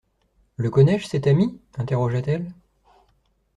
Le connais-je, cet ami ? interrogea-t-elle.